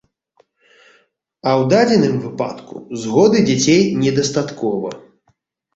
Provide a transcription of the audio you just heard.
А ў дадзеным выпадку згоды дзяцей недастаткова.